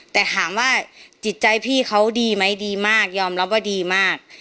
แต่ถามว่าจิตใจพี่เขาดีไหมดีมากยอมรับว่าดีมาก